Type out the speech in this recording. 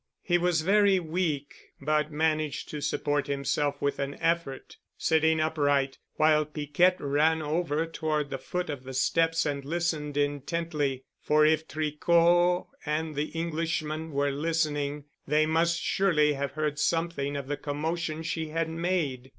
He was very weak, but managed to support himself with an effort, sitting upright, while Piquette ran over toward the foot of the steps and listened intently, for if Tricot and the Englishman were listening, they must surely have heard something of the commotion she had made.